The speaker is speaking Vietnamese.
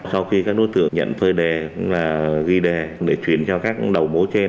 sau khi các đối tượng nhận phơi đề ghi đề để chuyển cho các đầu mối trên